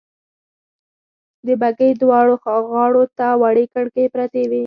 د بګۍ دواړو غاړو ته وړې کړکۍ پرې وې.